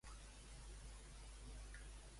Per què Iglesias li va respondre breument?